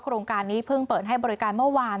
โครงการนี้เพิ่งเปิดให้บริการเมื่อวาน